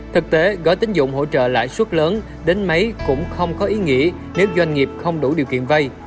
thực tế gói tính dụng hỗ trợ lãi xuất lớn đến mấy cũng không có ý nghĩa nếu doanh nghiệp không đủ điều kiện vây